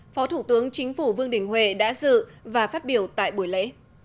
phó thủ tướng chính phủ vương đình huệ đã dự và phát biểu tại buổi lễ